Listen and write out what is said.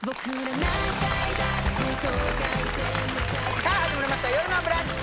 さあ始まりました「よるのブランチ」